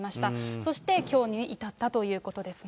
そしてきょうに至ったということですね。